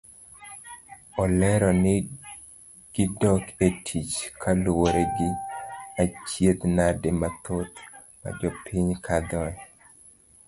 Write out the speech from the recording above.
Olero ni gidok etich kaluwore gi achiedh nade mathoth majopiny kadhoe.